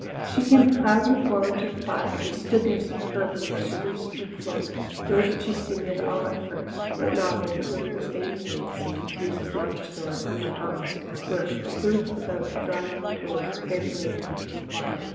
She came proudly forward to the fire and stood there superbly while she loosened her cloak, nor did she see me at all at first, but nodded, a little disdainfully, it seemed, to Mrs. Montressor and my aunts, who were grouped about the drawing room door, very ladylike and quiet.